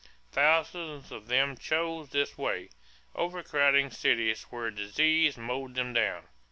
Thousands of them chose this way, overcrowding cities where disease mowed them down.